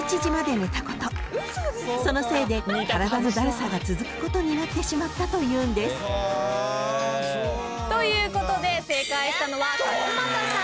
［そのせいで体のだるさが続くことになってしまったというんです］ということで正解したのは勝俣さん木さん近藤さんです。